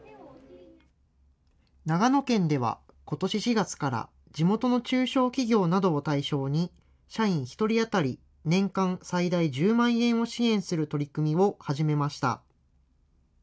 長野県では、ことし４月から地元の中小企業などを対象に、社員１人当たり年間最大１０万円を支援する取り組みを始めました。